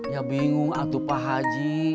ya bingung atau pak haji